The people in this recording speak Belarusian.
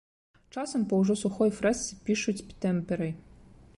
Часам па ўжо сухой фрэсцы пішуць тэмперай.